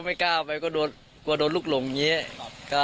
จะมั้ยก็โดดก็โดดลูกหลงเนี้ยก็